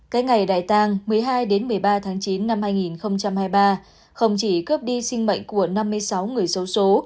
cái ngày đại tàng một mươi hai đến một mươi ba tháng chín năm hai nghìn hai mươi ba không chỉ cướp đi sinh mệnh của năm mươi sáu người xấu số